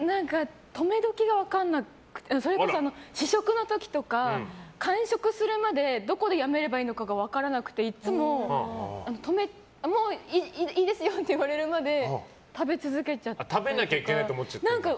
止め時が分からなくてそれこそ試食の時とか完食するまでどこでやめればいいのかが分からなくて、いつももういいですよって言われるまで食べちゃったりとか。